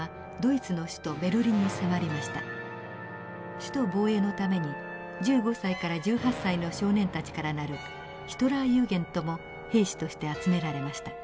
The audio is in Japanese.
首都防衛のために１５歳から１８歳の少年たちからなるヒトラー・ユーゲントも兵士として集められました。